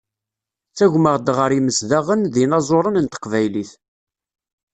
Ttagmaɣ-d ɣer yimedyazen d yinaẓuren n Teqbaylit.